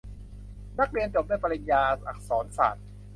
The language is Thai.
ฉันเรียนจบด้วยปริญญาอักษรศาสตร์